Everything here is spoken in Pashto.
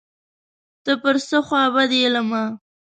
ته پر څه خوابدی یې له ما